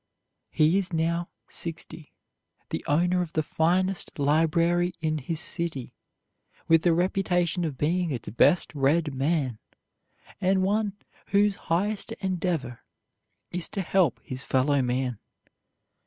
He is now sixty, the owner of the finest library in his city, with the reputation of being its best read man, and one whose highest endeavor is to help his fellow man.